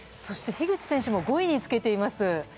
そして樋口選手も５位につけています。